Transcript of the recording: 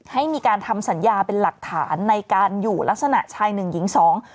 ให้มีการทำสัญญาเป็นหลักฐานในการอยู่ลักษณะชายหนึ่งหญิงสอง